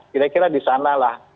kira kira di sanalah